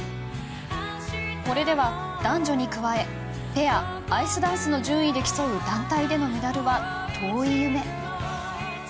これでは男女に加えペア、アイスダンスの順位で競う団体でのメダルは遠い夢。